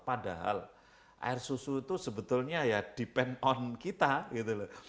padahal air susu itu sebetulnya ya bergantung